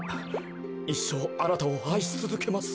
いっしょうあなたをあいしつづけます。